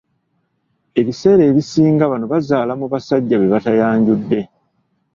Ebisera ebisinga bano bazaala mu basajja be batayanjudde.